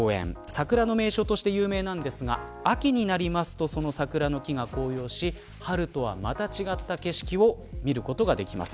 桜の名所として有名なんですが秋になると桜の木が紅葉し春とはまた違った景色を見ることができます。